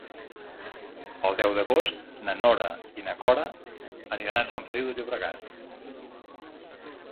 El deu d'agost na Nora i na Cora aniran a Sant Feliu de Llobregat.